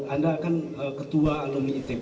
anda kan ketua alumni itb